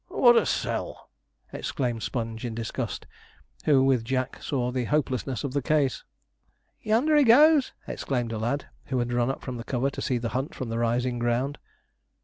'What a sell!' exclaimed Sponge, in disgust, who, with Jack, saw the hopelessness of the case. 'Yonder he goes!' exclaimed a lad, who had run up from the cover to see the hunt from the rising ground.